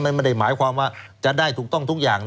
ไม่ได้หมายความว่าจะได้ถูกต้องทุกอย่างนะ